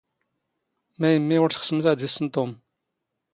ⵎⴰⵢⵎⵎⵉ ⵓⵔ ⵜⵅⵙⵎⵜ ⴰⴷ ⵉⵙⵙⵏ ⵜⵓⵎ?